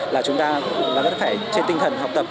là chúng ta nó phải trên tinh thần học tập